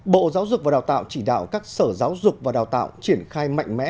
bộ giáo dục và đào tạo chỉ đạo các sở giáo dục và đào tạo triển khai mạnh mẽ